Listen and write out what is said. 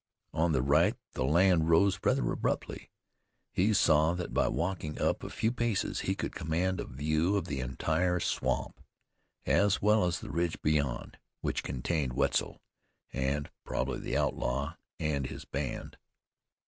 On the right the land rose rather abruptly. He saw that by walking up a few paces he could command a view of the entire swamp, as well as the ridge beyond, which contained Wetzel, and, probably, the outlaw and his band.